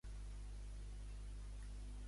Qui eren Las Pecas?